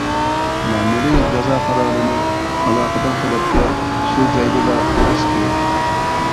مەمۇرىي جازا قارارىنى ئالاقىدار تەرەپكە شۇ جايدىلا بېرىش كېرەك.